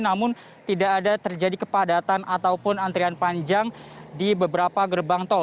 namun tidak ada terjadi kepadatan ataupun antrian panjang di beberapa gerbang tol